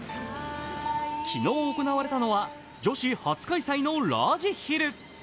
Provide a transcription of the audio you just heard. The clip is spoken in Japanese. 昨日行われたのは女子初開催のラージヒル。